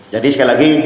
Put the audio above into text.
jadi sekali lagi